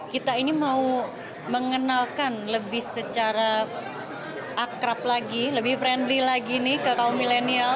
kita ini mau mengenalkan lebih secara akrab lagi lebih friendly lagi nih ke kaum milenial